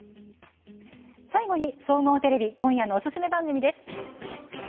最後に、総合テレビ今夜のおすすめ番組です。